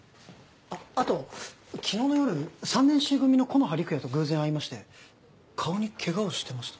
あと昨日の夜３年Ｃ組の木の葉陸也と偶然会いまして顔にケガをしてました。